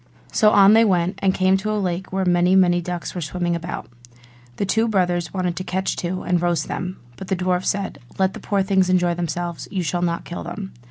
So on they went, and came to a lake where many many ducks were swimming about. The two brothers wanted to catch two, and roast them. But the dwarf said, 'Let the poor things enjoy themselves, you shall not kill them.